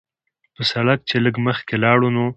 پۀ سړک چې لږ مخکښې لاړو نو